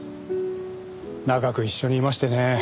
長く一緒にいましてね。